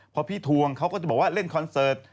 พอพี่ทวงเขาก็จะบอกว่าเล่นคอนเสิร์ต